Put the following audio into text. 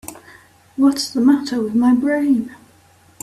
What's the matter with my brain?